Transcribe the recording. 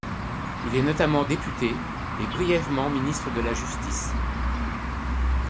Il est notamment député, et brièvement ministre de la Justice.